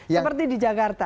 seperti di jakarta